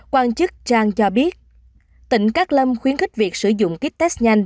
quan chức zhang cho biết tỉnh cát lâm khuyến khích việc sử dụng kit test nhanh